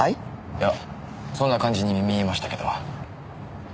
いやそんな感じに見えましたけど。